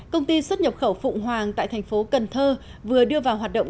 công ty xuất nhập khẩu phụng hoàng tại thành phố cần thơ vừa đưa vào hoạt động